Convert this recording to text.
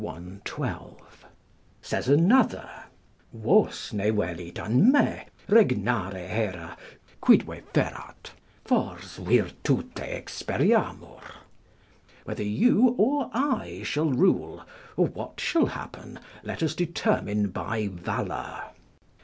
] Says another: "Vosne velit, an me, regnare hera, quidve ferat, fors virtute experiamur." ["Whether you or I shall rule, or what shall happen, let us determine by valour."